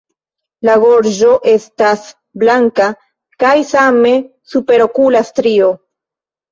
La gorĝo estas blanka kaj same superokula strio.